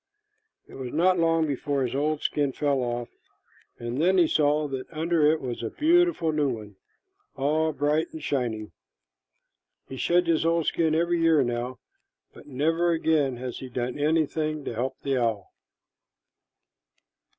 It was not long before his old skin fell off, and then he saw that under it was a beautiful new one, all bright and shining. He sheds his old skin every year now, but never again has he done anything to help the owl.